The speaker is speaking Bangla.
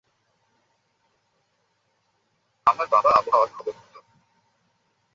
আমার বাবা আবহাওয়ার খবর পড়ত।